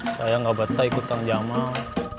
sayang enggak betah ikut kang jamal